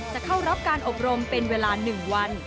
จะเข้ารับการอบรมเป็นเวลา๑วัน